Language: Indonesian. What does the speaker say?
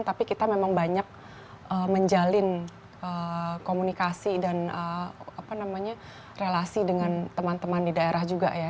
tapi kita memang banyak menjalin komunikasi dan relasi dengan teman teman di daerah juga ya